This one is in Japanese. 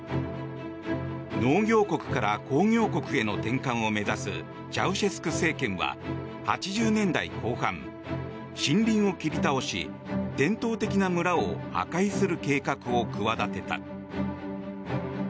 農業国から工業国への転換を目指すチャウシェスク政権は８０年代後半、森林を切り倒し伝統的な村を破壊する計画を企てた。